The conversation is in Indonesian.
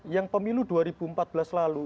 yang pemilu dua ribu empat belas lalu